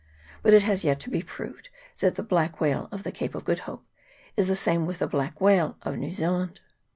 But it has yet to be proved that the black whale of the Cape of Good Hope is the same with the black whale of New Zealand.